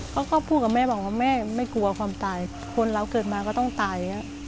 เขาก็พูดกับแม่บอกว่าแม่ไม่กลัวความตายคนเราเกิดมาก็ต้องตายอย่างนี้